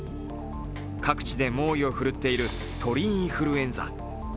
各地で猛威を振るっている鳥インフルエンザ。